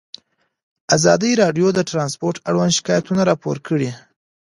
ازادي راډیو د ترانسپورټ اړوند شکایتونه راپور کړي.